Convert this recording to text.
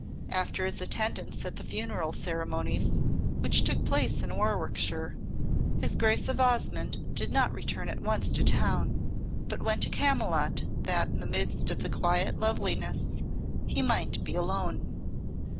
After his attendance at the funeral ceremonies, which took place in Warwickshire, his Grace of Osmonde did not return at once to town, but went to Camylott that in the midst of the quiet loveliness he might be alone.